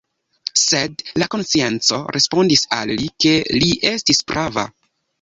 Sed la konscienco respondis al li, ke li estis prava.